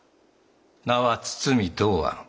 名は堤道庵。